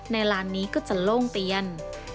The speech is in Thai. ลานนี้ก็จะโล่งเตียน